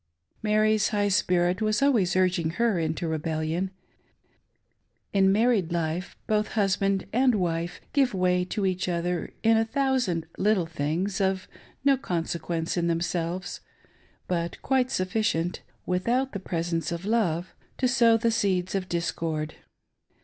Mary's high' spirit was always urging her into rebellion; In married life both husband and wife give way to each other in THE STORY OF A WASTED LIFE. 563 a thousand little things, of no consequence in themselveSj trat quite sufficient, without the presence of love, to sow the seeds of discord.